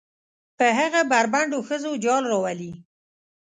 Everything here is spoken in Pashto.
په هغه بربنډو ښځو جال روالي.